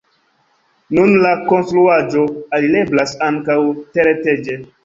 Nun la konstruaĵo alireblas ankaŭ tereteĝe.